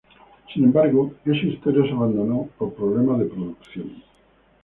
Sin embargo, esa historia se abandonó por problemas de producción.